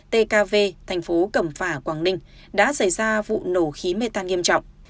tkv thành phố cẩm phả quảng ninh đã xảy ra vụ nổ khí mê tan nghiêm trọng